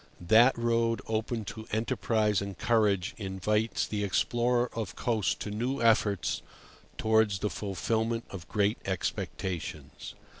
That road open to enterprise and courage invites the explorer of coasts to new efforts towards the fulfilment of great expectations.